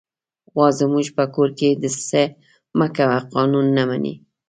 غوا زموږ په کور کې د "څه مه کوه" قانون نه مني.